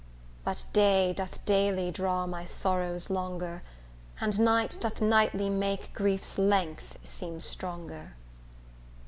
But day doth daily draw my sorrows longer, And night doth nightly make grief's length seem stronger.